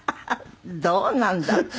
どうなんだって。